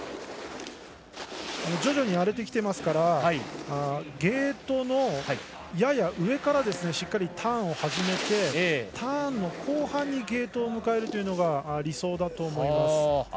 徐々に荒れてきていますからゲートのやや上からしっかりターンを始めてターンの後半にゲートを迎えるのが理想だと思います。